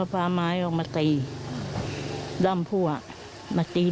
ลูกสาวกันโตเข้าไปทำงานแล้ว